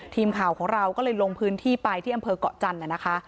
ทีมข่าวของเราก็เลยลงพื้นที่ไปที่อำเภอกเกาะจันทร์นะคะ